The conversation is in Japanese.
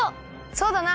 そうだな！